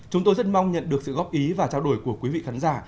chúng tôi rất mong nhận được sự góp ý và trao đổi của quý vị khán giả